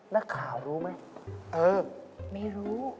นักข่าวรู้ไหมเออไม่รู้